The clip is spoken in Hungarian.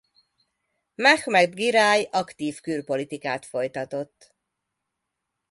Mehmed Giráj aktív külpolitikát folytatott.